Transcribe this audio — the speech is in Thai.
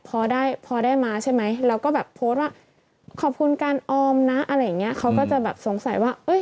พอได้มาใช่ไหมเราก็แบบโพสต์ว่าขอบคุณการออมนะอะไรอย่างนี้เขาก็จะสงสัยว่า